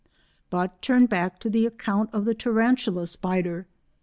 But turn back to the account of the tarantula spider.